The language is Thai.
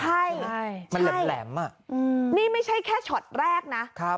ใช่ได้มันแหลมอ่ะอืมนี่ไม่ใช่แค่แรกนะครับ